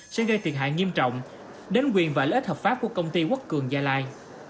sẽ gây thiệt hại nghiêm trọng đến quyền và lợi ích hợp pháp của công ty quốc cường gia lai